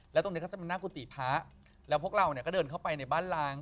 แล้วตรงนี้ก็จะเป็นหน้ากุฏิพระแล้วพวกเราเนี่ยก็เดินเข้าไปในบ้านล้าง